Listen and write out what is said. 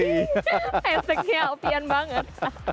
heseknya opian banget